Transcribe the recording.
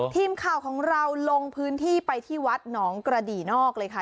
ทีมข่าวของเราลงพื้นที่ไปที่วัดหนองกระดี่นอกเลยค่ะ